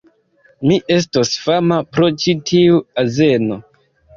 Mi estos fama pro ĉi tiu azeno!